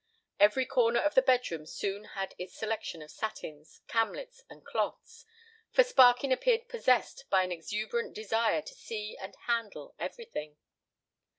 Every corner of the bedroom soon had its selection of satins, camlets, and cloths, for Sparkin appeared possessed by an exuberant desire to see and handle everything.